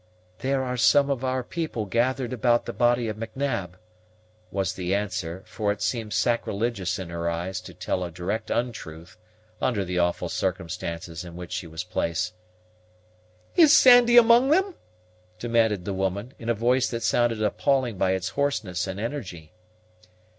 "There are some of our people gathered about the body of M'Nab," was the answer; for it seemed sacrilegious in her eyes to tell a direct untruth under the awful circumstances in which she was placed. "Is Sandy amang them?" demanded the woman, in a voice that sounded appalling by its hoarseness and energy.